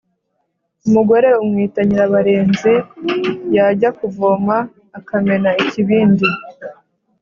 Umugore umwita Nyirabarenzi yajya kuvoma akamena ikibindi.